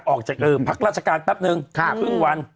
ออกจากภักดิ์รัฐกาลแป๊บนึงครึ่งถึงวัน